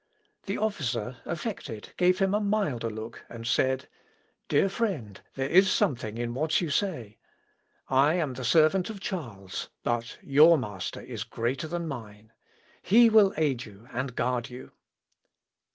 The officer, affected, gave him a milder look, and said, "Dear friend, there is something in what you say; I am the servant of Charles, but your Master is greater than mine. He will aid you and guard you."